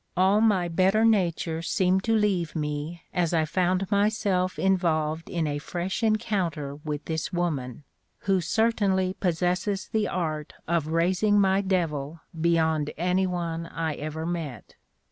All my better nature seemed to leave me as I found myself involved in a fresh encounter with this woman, who certainly possesses the art of raising my devil beyond any one I ever met.